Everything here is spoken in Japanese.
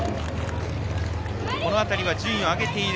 この辺りは順位を上げている。